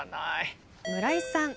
村井さん。